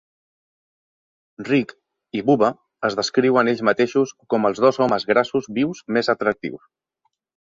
Rick i Bubba es descriuen ells mateixos com els dos homes grassos vius més atractius.